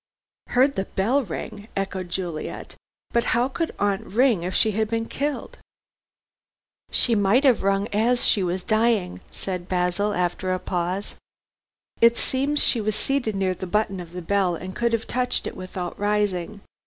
"Heard the bell ring?" echoed Juliet. "But how could aunt ring if she had been killed?" "She might have rung as she was dying," said Basil, after a pause. "It seems she was seated near the button of the bell and could have touched it without rising.